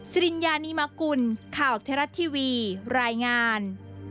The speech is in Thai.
สิริญญานีมกุลข่าวเทราะทีวีรายงาน